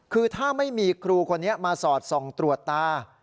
คือถ้าไม่มีครูคนนี้มาสอดส่องตรวจตา